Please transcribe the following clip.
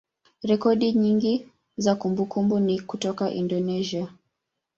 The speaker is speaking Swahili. rekodi nyingi za kumbukumbu ni kutoka Indonesia.